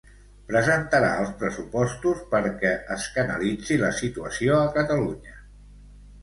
Presentarà els pressupostos “perquè es canalitzi la situació a Catalunya”.